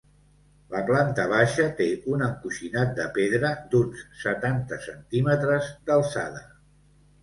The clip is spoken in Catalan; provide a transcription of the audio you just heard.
La planta baixa té un encoixinat de pedra, d'uns setanta centímetres d'alçada.